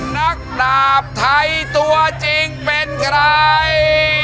นักดาบไทยตัวจริงเป็นใคร